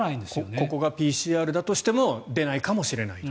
ここがＰＣＲだとしても出ないかもしれないと。